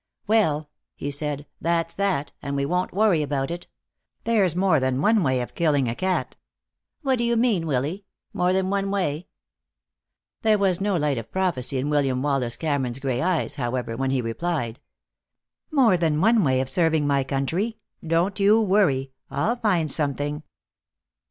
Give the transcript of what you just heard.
"Well," he said, "that's that, and we won't worry about it. There's more than one way of killing a cat." "What do you mean, Willy? More than one way?" There was no light of prophecy in William Wallace Cameron's gray eyes, however, when he replied: "More than one way of serving my country. Don't you worry. I'll find something."